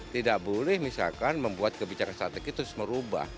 tidak boleh misalkan membuat kebijakan strategis terus merubah